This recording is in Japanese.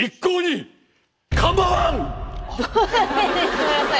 ごめんなさい。